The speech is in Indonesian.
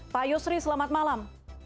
pak yusri selamat malam